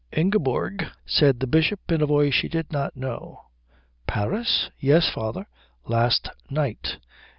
"Ingeborg," said the Bishop in a voice she did not know. "Paris?" "Yes, father last night."